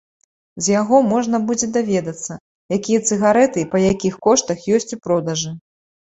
З яго можна будзе даведацца, якія цыгарэты і па якіх коштах ёсць у продажы.